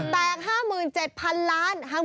แตก๕๗๐๐๐ล้าน